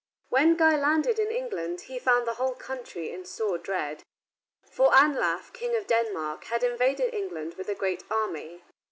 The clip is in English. When Guy landed in England he found the whole country in sore dread. For Anlaf, King of Denmark, had invaded England with a great army.